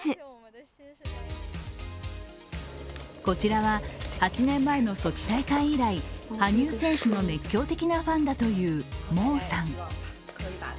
こちらは８年前のソチ大会以来羽生選手の熱狂的なファンだという毛さん。